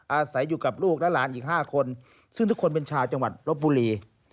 อาศัยอยู่กับลูกและหลานอีก๕คนซึ่งทุกคนเป็นชาวจังหวัดลบบุรี